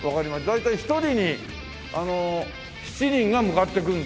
大体１人に７人が向かっていくんだ。